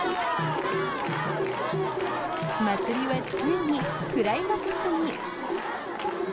祭りはついにクライマックスに。